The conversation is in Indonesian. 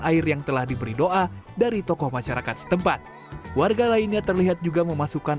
air yang telah diberi doa dari tokoh masyarakat setempat warga lainnya terlihat juga memasukkan